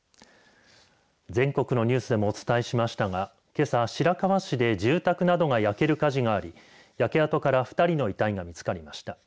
全国のニュースでもお伝えしましたが、けさ白河市で住宅などが焼ける火事があり焼け跡から２人の遺体が見つかりました。